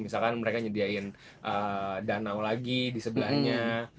misalkan mereka nyediain danau lagi di sebelahnya